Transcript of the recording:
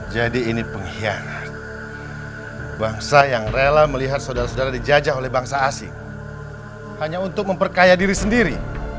jadi ini pengkhianat bangsa yang rela melihat saudara saudara dijajah oleh bangsa asing hanya untuk memperkaya diri sendiri